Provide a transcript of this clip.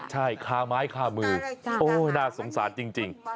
ใช่คาไม้คามือโอ้น่าสงสารจริง